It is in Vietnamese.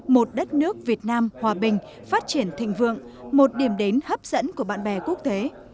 một đất nước việt nam hòa bình phát triển thịnh vượng một điểm đến hấp dẫn của bạn bè quốc tế